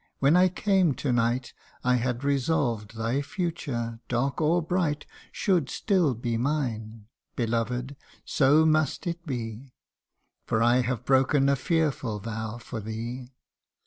When I came to night I had resolved thy future, dark or bright, Should still be mine Beloved so must it be, For I have broke a fearful vow for thee.